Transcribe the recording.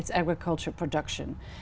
khi thủ tướng trung